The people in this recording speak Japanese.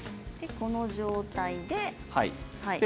この状態で。